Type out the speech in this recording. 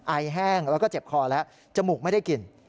ไอแห้งแล้วก็เจ็บคอแล้วจมูกไม่ได้กิน